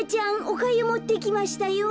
おかゆもってきましたよ」。